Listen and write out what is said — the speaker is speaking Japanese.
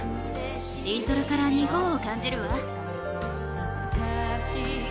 イントロから日本を感じるわ。